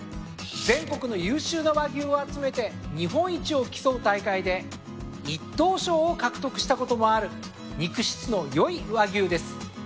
全国の優秀な和牛を集めて日本一を競う大会で一等賞を獲得したこともある肉質の良い和牛です。